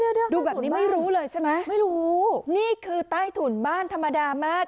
ดูแบบนี้ไม่รู้เลยใช่ไหมไม่รู้นี่คือใต้ถุนบ้านธรรมดามาก